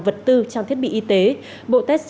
vật tư trang thiết bị y tế bộ test